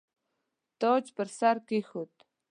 تاج پر سر کښېښود.